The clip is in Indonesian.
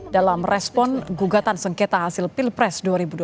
dalam respon gugatan sengketa hasil pilpres dua ribu dua puluh